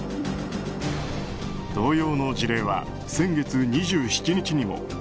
同様の事例は先月２７日にも。